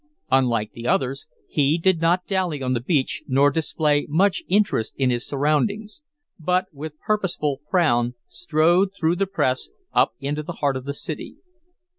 Unlike the others, he did not dally on the beach nor display much interest in his surroundings; but, with purposeful frown strode through the press, up into the heart of the city.